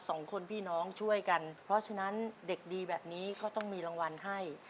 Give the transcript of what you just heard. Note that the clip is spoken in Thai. สองคนพี่น้องช่วยกันเพราะฉะนั้นเด็กดีแบบนี้ก็ต้องมีรางวัลให้